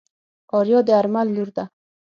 آريا د آرمل لور ده.